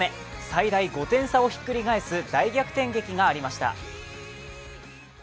最大５点差をひっくり返す大逆転劇がありました。